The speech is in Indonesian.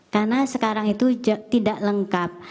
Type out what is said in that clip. karena sekarang itu tidak lengkap